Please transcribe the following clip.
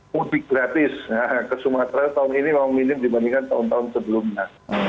mudik gratis ke sumatera tahun ini memang minim dibandingkan tahun tahun sebelumnya